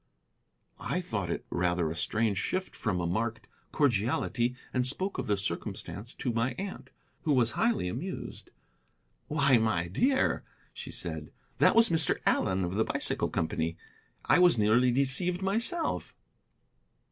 "I thought it rather a strange shift from a marked cordiality, and spoke of the circumstance to my aunt, who was highly amused. 'Why, my dear,' said she, 'that was Mr. Allen, of the bicycle company. I was nearly deceived myself.'"